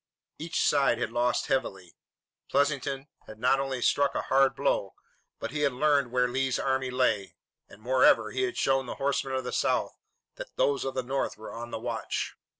Each side had lost heavily. Pleasanton had not only struck a hard blow, but he had learned where Lee's army lay, and, moreover, he had shown the horsemen of the South that those of the North were on the watch.